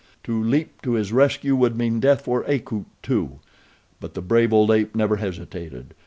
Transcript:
To leap to his rescue would mean death for Akut, too; but the brave old ape never hesitated.